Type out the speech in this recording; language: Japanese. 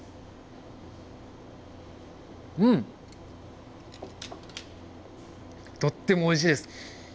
うん、とってもおいしいです。